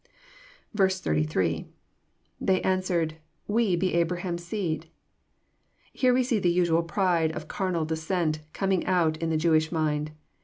83. — [Tft«y answered^ We he Abraham's seed.] Here we see the usual pride of carnal descent coming out in the Jewish mind.